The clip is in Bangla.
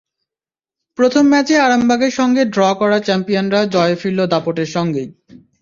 প্রথম ম্যাচে আরামবাগের সঙ্গে ড্র করা চ্যাম্পিয়নরা জয়ে ফিরল দাপটের সঙ্গেই।